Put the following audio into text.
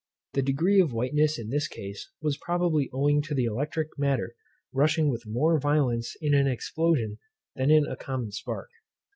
The degree of whiteness in this case was probably owing to the electric matter rushing with more violence in an explosion than in a common spark.